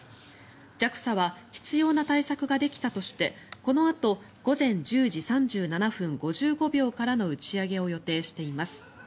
ＪＡＸＡは必要な対策ができたとしてこのあと午前１０時３７分５５秒からの打ち上げを予定しています。